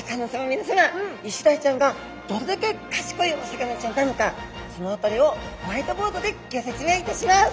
みなさまイシダイちゃんがどれだけ賢いお魚ちゃんなのかその辺りをホワイトボードでギョ説明いたします。